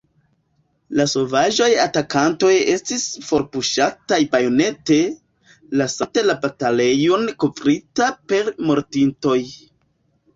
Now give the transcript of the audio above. La sovaĝaj atakantoj estis forpuŝataj bajonete, lasante la batalejon kovrita per mortintoj.